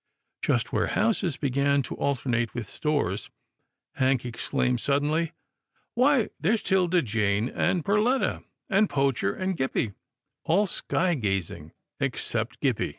Just where houses began to alternate with stores, Hank exclaimed sud denly, "Why, there's Tilda Jane and Perletta, 144 'TILDA JANE'S ORPHANS and Poacher and Gippie — ^all sky gazing, except Gippie."